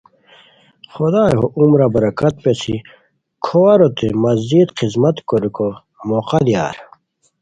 خدائے ہو عمرا برکت پیڅھی کھواروتے مزید خذمت کوریکو موقع دیار